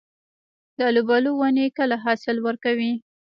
د الوبالو ونې کله حاصل ورکوي؟